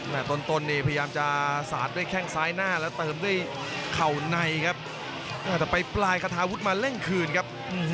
ต้นต้นนี่พยายามจะสาดด้วยแข้งซ้ายหน้าแล้วเติมด้วยเข่าในครับแต่ไปปลายคาทาวุฒิมาเร่งคืนครับ